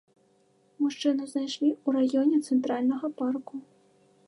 Мужчыну знайшлі ў раёне цэнтральнага парку.